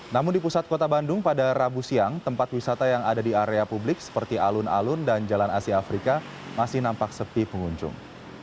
namun di pusat kota bandung pada rabu siang tempat wisata yang ada di area publik seperti alun alun dan jalan asia afrika masih nampak sepi pengunjung